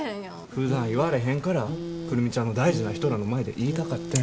ふだん言われへんから久留美ちゃんの大事な人らの前で言いたかってん。